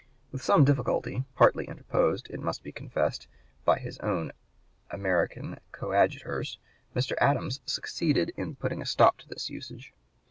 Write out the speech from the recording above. With some (p. 128) difficulty, partly interposed, it must be confessed, by his own American coadjutors, Mr. Adams succeeded in putting a stop to this usage.